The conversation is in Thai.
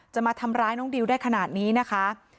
จะมาทำร้ายน้องดิวได้ขนาดนี้นะคะ